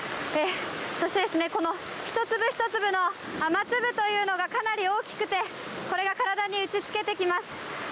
そして、この１粒１粒の雨粒というのがかなり大きくてこれが体に打ちつけてきます。